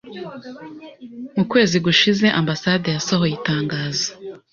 Mu kwezi gushize, ambasade yasohoye itangazo